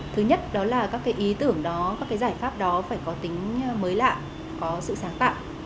thứ nhất đó là các cái ý tưởng đó các giải pháp đó phải có tính mới lạ có sự sáng tạo